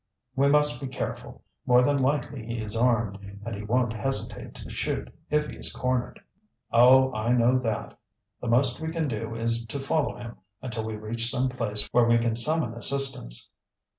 "We must be careful. More than likely he is armed, and he won't hesitate to shoot if he is cornered." "Oh, I know that. The most we can do is to follow him until we reach some place where we can summon assistance."